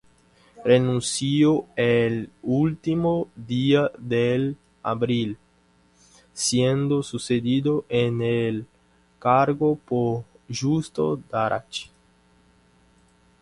Renunció el último día de abril, siendo sucedido en el cargo por Justo Daract.